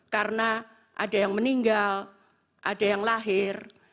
karena ada yang meninggal ada yang lahir